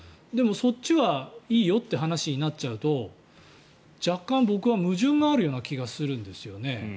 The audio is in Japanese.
そっちはいいよって話になっちゃうと若干、僕は矛盾があるような気がするんですよね。